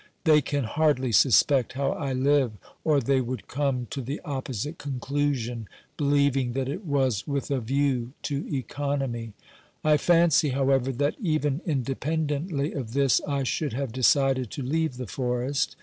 They can hardly suspect how I live, or they would come 84 OBERMANN to the opposite conclusion, believing that it was with a view to economy. I fancy, however, that even independently of this I should have decided to leave the forest.